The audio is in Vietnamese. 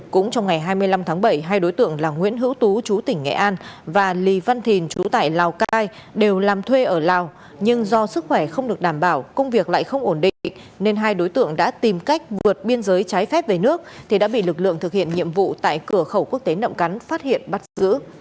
cũng trong ngày hai mươi năm tháng bảy hai đối tượng là nguyễn hữu tú chú tỉnh nghệ an và lì văn thìn chú tại lào cai đều làm thuê ở lào nhưng do sức khỏe không được đảm bảo công việc lại không ổn định nên hai đối tượng đã tìm cách vượt biên giới trái phép về nước thì đã bị lực lượng thực hiện nhiệm vụ tại cửa khẩu quốc tế nậm cắn phát hiện bắt giữ